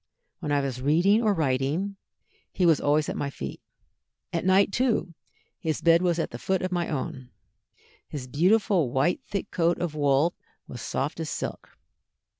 When I was reading or writing, he was always at my feet. At night, too, his bed was the foot of my own. His beautiful white thick coat of wool was soft as silk.